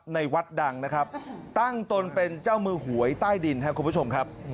ในวัดดังนะครับตั้งตนเป็นเจ้ามือหวยใต้ดินครับคุณผู้ชมครับ